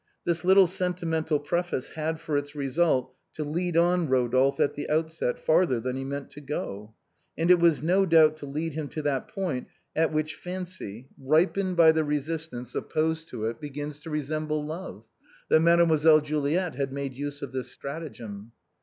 This little sentimental preface had for its result to lead on Eodophe at the outset further than he meant to go. And it was no doubt to lead him to that point at which fancy, ripened by the resistance opposed to 300 THE BOHEMIANS OF THE LATIN QUARTER. it, begins to resemble love, that Mademoiselle Juliet Had made use of this stratagem.